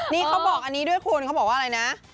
นี่เขาบอกอันนี้ด้วยคุณเขาบอกว่าอะไรนะ